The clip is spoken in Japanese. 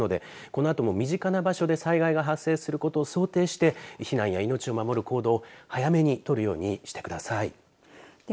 実際に被害が発生していますのでこのあとも身近な場所で災害が発生することを想定して避難や命を守る行動を早めに取るようにしてください。